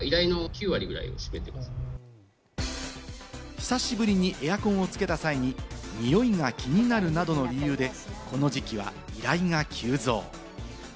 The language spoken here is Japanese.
久しぶりにエアコンをつけた際に、においが気になるなどの理由で、この時期は依頼が急増。